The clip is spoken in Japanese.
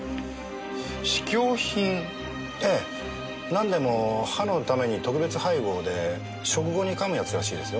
なんでも歯のために特別配合で食後に噛むやつらしいですよ。